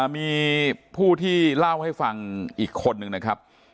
มีผู้ที่เล่าให้ฟังอีกคนนึงนะครับ